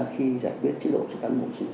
khi giải quyết chế độ cho cán bộ chiến sĩ